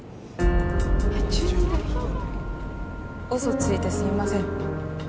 うそついてすいません。